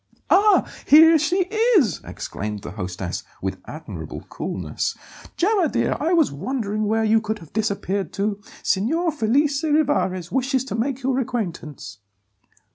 "Ah! here she is!" exclaimed the hostess, with admirable coolness. "Gemma, dear, I was wondering where you could have disappeared to. Signor Felice Rivarez wishes to make your acquaintance."